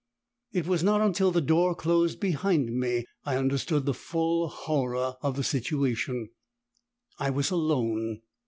It was not until the door closed behind me, I understood the full horror of the situation; I was alone!